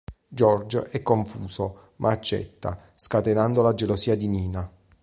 George è confuso ma accetta, scatenando la gelosia di Nina.